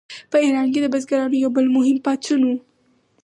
په ایران کې د بزګرانو یو بل مهم پاڅون و.